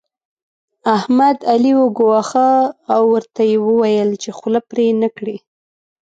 احمد؛ علي وګواښه او ورته ويې ويل چې خوله پرې نه کړې.